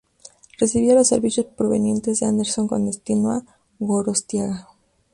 Recibía los servicios provenientes de Anderson con destino a Gorostiaga.